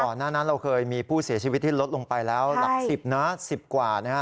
หน้านั้นเราเคยมีผู้เสียชีวิตที่ลดลงไปแล้วหลัก๑๐นะ๑๐กว่านะฮะ